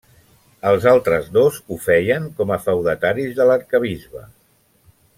Els altres dos ho feien com a feudataris de l'arquebisbe.